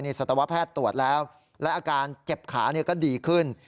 สัตวแพทย์ตรวจแล้วและอาการเจ็บขาก็ดีขึ้น